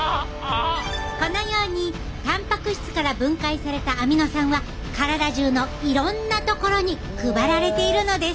このようにたんぱく質から分解されたアミノ酸は体じゅうのいろんなところに配られているのです。